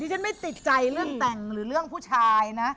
ฉันไม่ติดใจเรื่องแต่งหรือเรื่องผู้ชายนะ